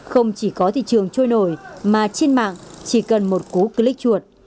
không chỉ có thị trường trôi nổi mà trên mạng chỉ cần một cú click chuột